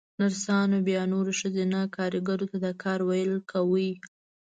نرسانو بيا نورو ښځينه کاريګرو ته د کار ويل کاوه.